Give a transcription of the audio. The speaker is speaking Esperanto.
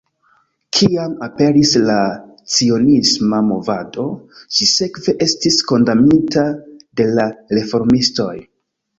Kiam aperis la cionisma movado, ĝi sekve estis kondamnita de la reformistoj.